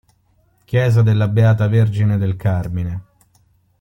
Chiesa della Beata Vergine del Carmine